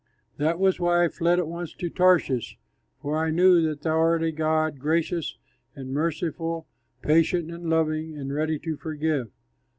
That was why I fled at once to Tarshish; for I knew that thou art a God, gracious and merciful, patient, and loving and ready to forgive.